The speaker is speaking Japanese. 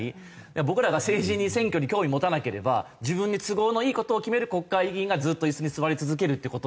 僕らが政治に選挙に興味持たなければ自分に都合のいい事を決める国会議員がずっと椅子に座り続けるっていう事ですよね